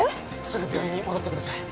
すぐ病院に戻ってください。